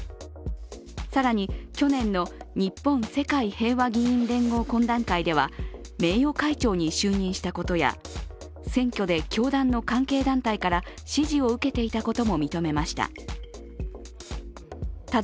更に去年の日本・世界平和議員連合懇談会では名誉会長に就任したことや選挙で教団の関係団体から支持を受けていたことも認めました。